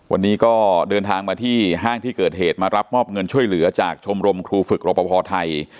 วันนี้ก็เดินทางมาที่ห้างที่เกิดเหตุมารับมอบเงินช่วยเหลือจากชมรมครูฝึกรปภไทย